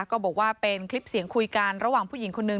ก็บอกว่าเป็นคลิปเสียงคุยกันระหว่างผู้หญิงคนนึง